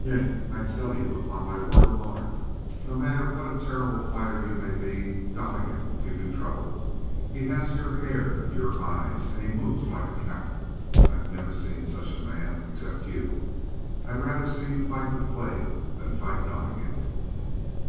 "Nick, I tell you upon my word of honor, no matter what a terrible fighter you may be, Donnegan will give you trouble. He has your hair and your eyes and he moves like a cat. I've never seen such a man except you. I'd rather see you fight the plague than fight Donnegan!"